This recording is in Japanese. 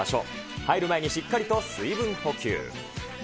入る前にしっかりと水分補給。